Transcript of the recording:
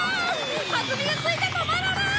弾みがついて止まらない！